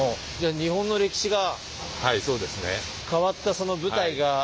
じゃあ日本の歴史が変わったその舞台が。